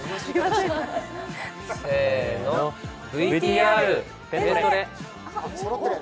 ＶＴＲ、ペントレ！